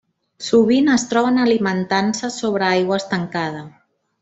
Sovint es troben alimentant-se sobre aigua estancada.